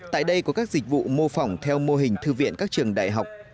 tại đây có các dịch vụ mô phỏng theo mô hình thư viện các trường đại học